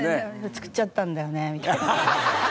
「造っちゃったんだよね」みたいな。